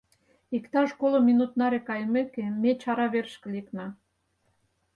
Иктаж коло минут наре кайымеке, ме чара верышке лекна.